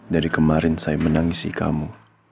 dari kemarin saya menangisi kamu